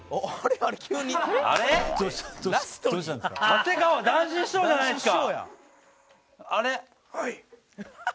立川談志師匠じゃないですか。